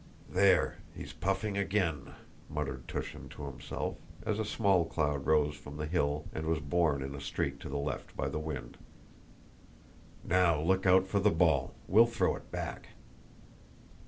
"There... he's puffing again," muttered Túshin to himself, as a small cloud rose from the hill and was borne in a streak to the left by the wind. "Now look out for the ball... we'll throw it back."